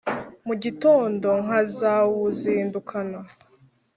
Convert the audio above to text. mu gitondo nkazawuzindukana